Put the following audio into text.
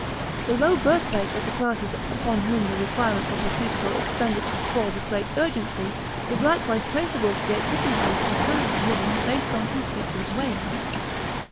The low birthrate of the classes upon whom the requirements of reputable expenditure fall with great urgency is likewise traceable to the exigencies of a standard of living based on conspicuous waste.